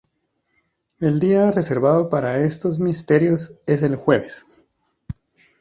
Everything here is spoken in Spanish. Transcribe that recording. El día reservado para estos misterios es el jueves.